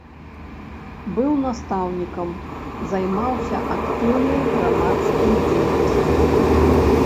Быў настаўнікам, займаўся актыўнай грамадскай дзейнасцю.